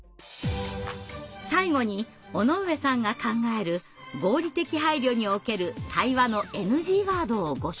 最後に尾上さんが考える合理的配慮における対話のＮＧワードをご紹介。